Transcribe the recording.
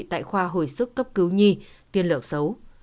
tại khoa hồi sức cấp cứu nhi tiên lẻo xấu